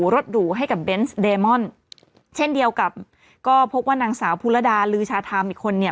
หรูให้กับเบนส์เดมอนเช่นเดียวกับก็พบว่านางสาวภูระดาลือชาธรรมอีกคนเนี่ย